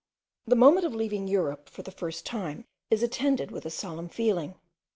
The moment of leaving Europe for the first time is attended with a solemn feeling.